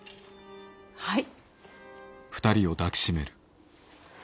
はい。